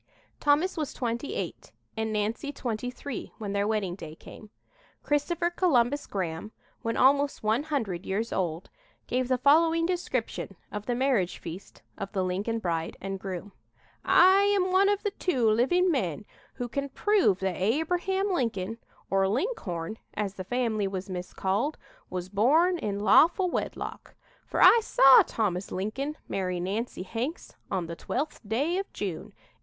Thomas was twenty eight and Nancy twenty three when their wedding day came. Christopher Columbus Graham, when almost one hundred years old, gave the following description of the marriage feast of the Lincoln bride and groom: "I am one of the two living men who can prove that Abraham Lincoln, or Linkhorn, as the family was miscalled, was born in lawful wedlock, for I saw Thomas Lincoln marry Nancy Hanks on the 12th day of June, 1806.